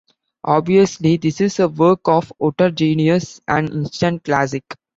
Obviously this is a work of utter genius, an instant classic.